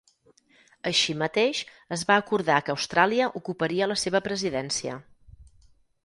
Així mateix es va acordar que Austràlia ocuparia la seva presidència.